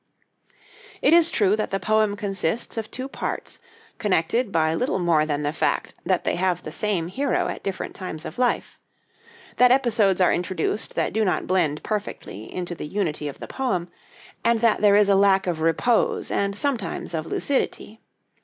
It is true that the poem consists of two parts, connected by little more than the fact that they have the same hero at different times of life; that episodes are introduced that do not blend perfectly into the unity of the poem; and that there is a lack of repose and sometimes of lucidity.